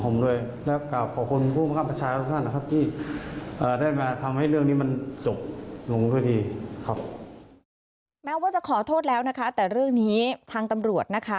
แม้ว่าจะขอโทษแล้วนะคะแต่เรื่องนี้ทางตำรวจนะคะ